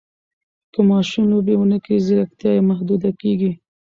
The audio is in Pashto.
که ماشوم لوبې ونه کړي، ځیرکتیا یې محدوده کېږي.